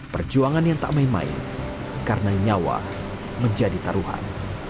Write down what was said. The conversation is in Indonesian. perjuangan yang tak main main karena nyawa menjadi taruhan